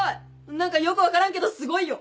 何かよく分からんけどすごいよ。